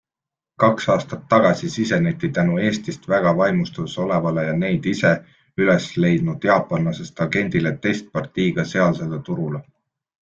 Kaks aastat tagasi siseneti tänu Eestist väga vaimustuses olevale ja neid ise üles leidnud jaapanlasest agendile testpartiiga sealsele turule.